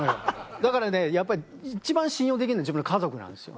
だからねやっぱり一番信用できるのは自分の家族なんですよ